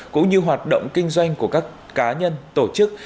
cũng như hoạt động kinh doanh của các cá nhân tổ chức